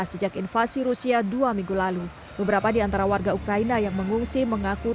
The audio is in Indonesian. sejak invasi rusia dua minggu lalu beberapa diantara warga ukraina yang mengungsi mengaku